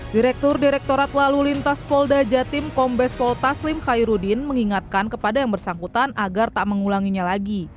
direktur direktorat lalu lintas polda jatim kombes pol taslim khairudin mengingatkan kepada yang bersangkutan agar tak mengulanginya lagi